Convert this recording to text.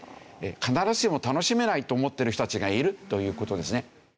必ずしも楽しめないと思っている人たちがいるという事ですね。